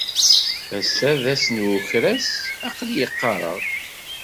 Ass-a d ass n ukras. Aql-iyi qqareɣ.